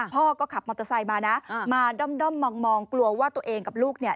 พ่อก็ขับมอเตอร์ไซค์มานะมาด้อมมองกลัวว่าตัวเองกับลูกเนี่ย